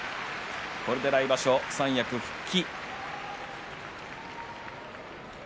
これで来場所、三役復帰。